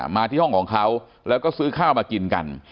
มาที่ห้องของเขาแล้วก็ซื้อข้าวมากินกัน